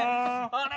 あれ？